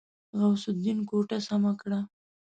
غوث الدين کوټه سمه کړه.